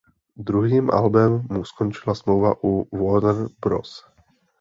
Druhým albem mu skončila smlouva u "Warner Bros.".